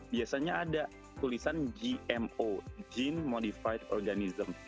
biasanya ada tulisan gmo gene modified organism